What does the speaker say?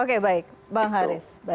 oke baik bang haris